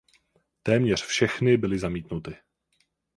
Téměř všechny byly zamítnuty.